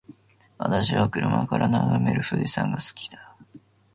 私は車から眺める富士山が好きだ。